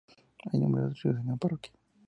Hay numerosos ríos en la parroquia.